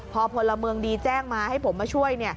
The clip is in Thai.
พอพลเมืองดีแจ้งมาให้ผมมาช่วย